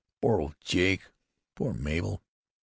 "Poor old Jake! Poor Mabel!